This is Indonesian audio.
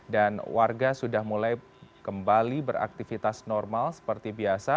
dan warga sudah mulai kembali beraktivitas normal seperti biasa